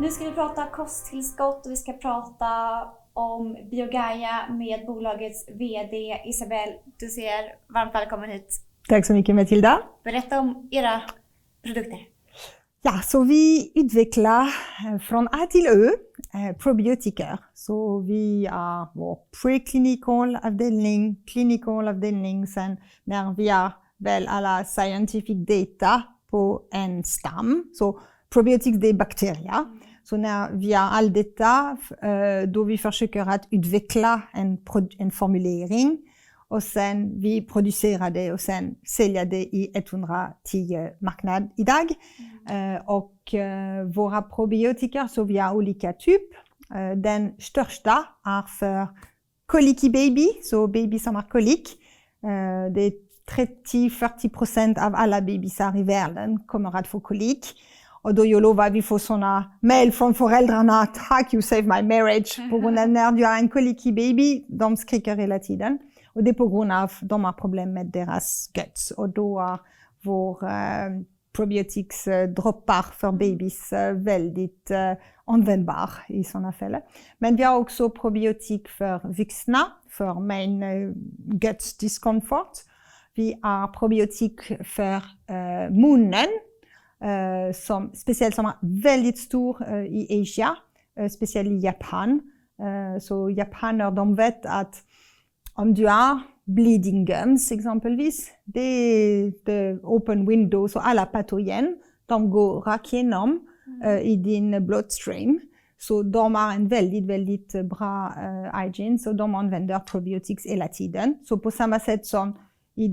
Yeah, so we had the CLA from Atiloe Probiotica. So we are more preclinical at the link, Clinical of the NINX and now via Belle a la Scientific Data, PO and SCAM, so probiotic day bacteria. Then Stochta are for colicky babies, so babies are macolique. The 30, 30% of all babies are revered and comrade for colleagues. You saved my marriage. For probiotics drop part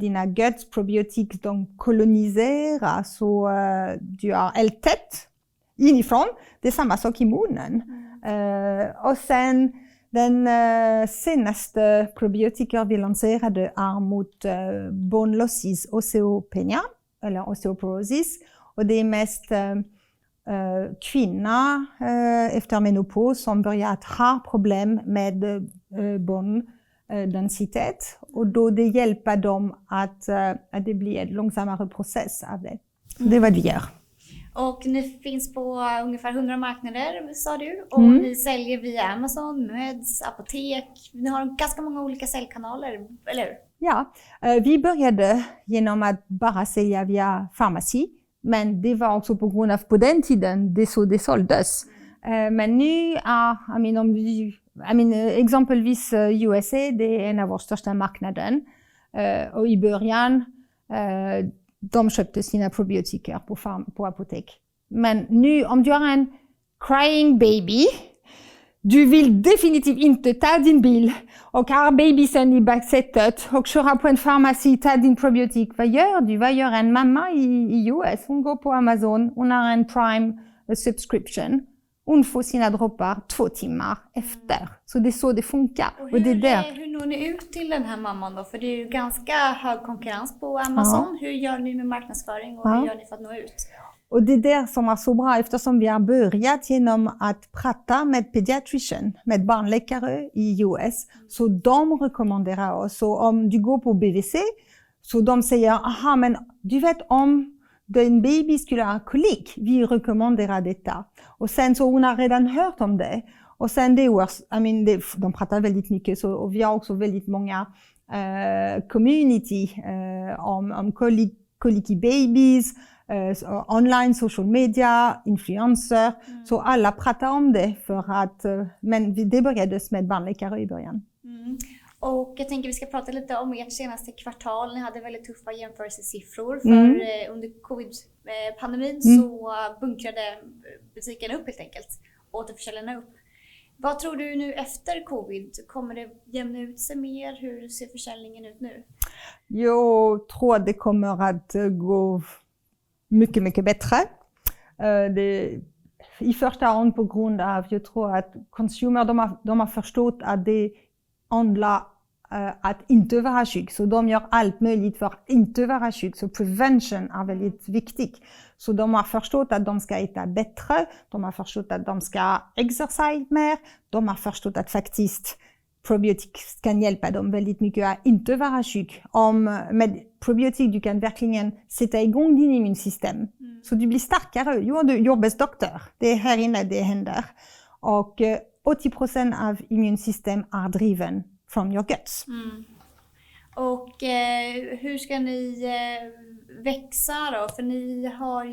for babies welded on Venbar is on a fella. Some special summer valid tours in Asia, especially Japan. So Japan urban vet at And you are bleeding gums, example of this, the open window. So a la patoyen, tango rakienom, Many are, I mean, I mean, example is USA Day and our sister Mark Naden, Oiberian, Amazon, community Okay. Oteprofen of immune system are driven from your guts. Okay. Who's gonna For a la haul,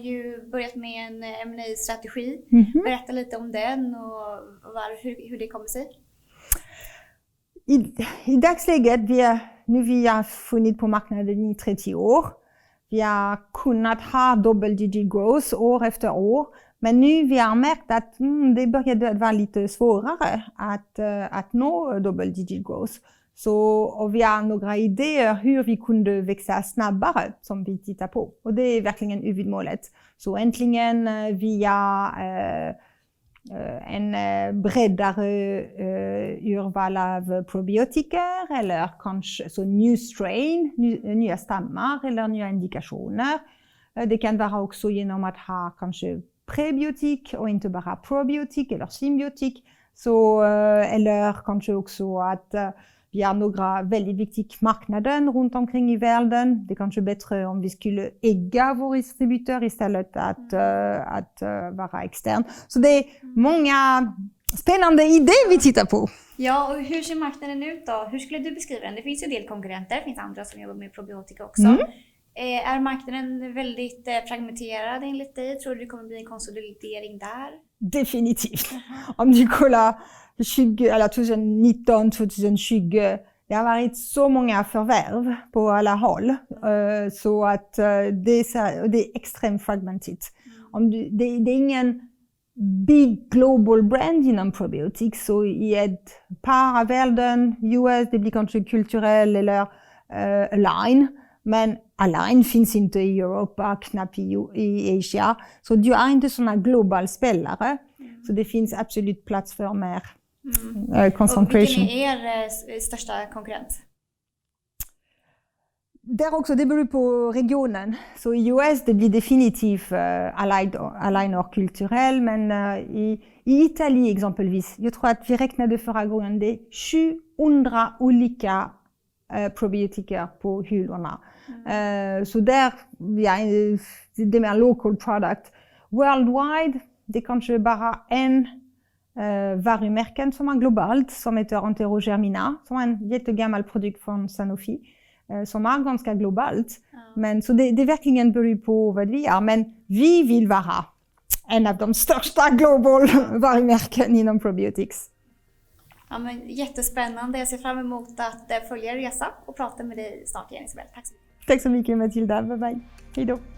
so what they said the extreme fragmented. They're being an Big global brand in antibiotics. So we had Para Verden, US Public Country Cultural Le Le Align, men align things into Europe, ACNA, EU, Asia. So do you understand my global spell? So the So the US is the definitive aligner culture and So there we are local products worldwide, the country bar and And I've done Stochta Global Varamer Canyon on probiotics.